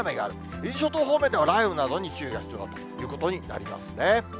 伊豆諸島方面では雷雨などに注意が必要だということになりますね。